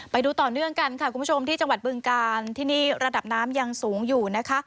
ไปดูต่อเนื่องกันค่ะคุณผู้ชมที่จังหวัดบึงการที่นี่ระดับน้ำยังสูงอยู่นะคะ